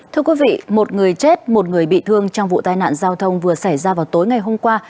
thưa quý vị một người chết một người bị thương trong vụ tai nạn giao thông vừa xảy ra vào tối ngày hôm qua